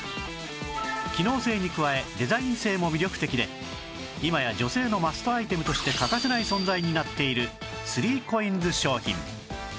機能性に加えデザイン性も魅力的で今や女性のマストアイテムとして欠かせない存在になっている ３ＣＯＩＮＳ 商品